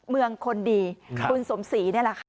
เมืองคนดีคุณสมศรีนี่แหละค่ะ